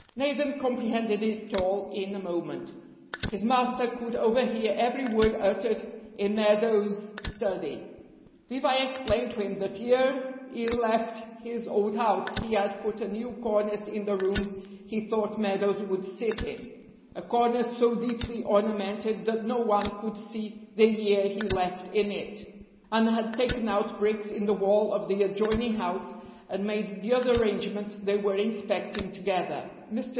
Nathan comprehended it all in a moment. His master could overhear every word uttered in Meadows' study. Levi explained to him that ere he left his old house he had put a new cornice in the room he thought Meadows would sit in, a cornice so deeply ornamented that no one could see the ear he left in it, and had taken out bricks in the wall of the adjoining house and made the other arrangements they were inspecting together. Mr.